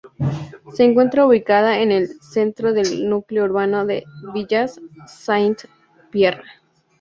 Se encuentra ubicada en el centro del núcleo urbano de Villaz-Saint-Pierre.